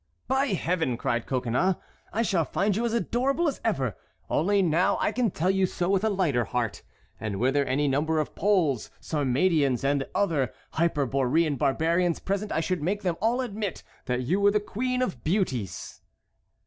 "By Heaven!" cried Coconnas, "I shall find you as adorable as ever; only now I can tell you so with a lighter heart, and were there any number of Poles, Sarmatians, and other hyperborean barbarians present I should make them all admit that you were the queen of beauties."